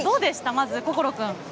まず心君。